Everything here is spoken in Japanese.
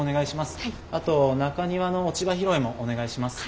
あと中庭の落ち葉拾いもお願いします。